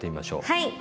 はい。